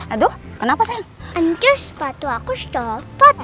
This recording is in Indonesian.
aduh kenapa sayang ancus sepatu aku stopot